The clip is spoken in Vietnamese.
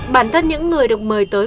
bản thân những người được mời tới